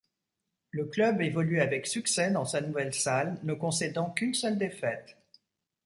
Le club évolue avec succès dans sa nouvelle salle, ne concédant qu'une seule défaite.